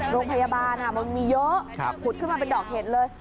โรงพยาบาลมันมีเยอะขุดขึ้นมาเป็นดอกเห็ดเลย